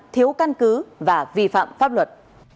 thiếu căn cứ và vi phạm pháp luật